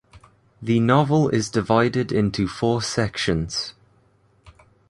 The novel is divided into four sections.